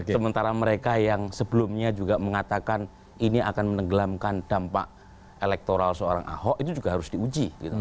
sementara mereka yang sebelumnya juga mengatakan ini akan menenggelamkan dampak elektoral seorang ahok itu juga harus diuji